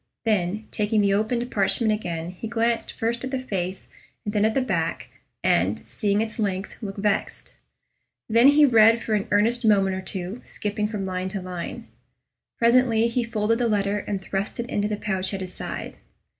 Then, taking the opened parchment again, he glanced first at the face and then at the back, and, seeing its length, looked vexed. Then he read for an earnest moment or two, skipping from line to line. Presently he folded the letter and thrust it into the pouch at his side.